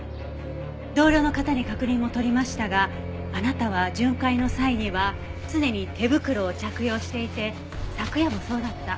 同僚の方に確認も取りましたがあなたは巡回の際には常に手袋を着用していて昨夜もそうだった。